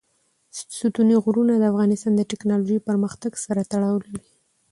ستوني غرونه د افغانستان د تکنالوژۍ پرمختګ سره تړاو لري.